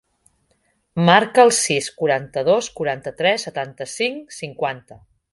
Marca el sis, quaranta-dos, quaranta-tres, setanta-cinc, cinquanta.